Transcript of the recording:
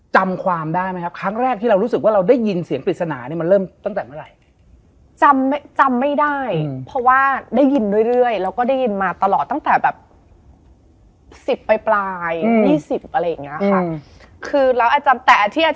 จะเรียกว่าตอนนั้นไม่รู้ตัว